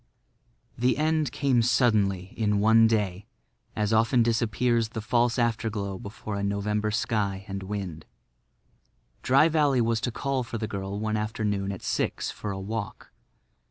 The end came suddenly in one day, as often disappears the false afterglow before a November sky and wind. Dry Valley was to call for the girl one afternoon at six for a walk.